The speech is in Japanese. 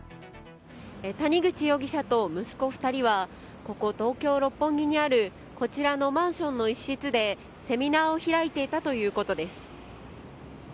谷口容疑者と息子２人はここ東京・六本木にあるこちらのマンションの一室でセミナーを開いていたということです。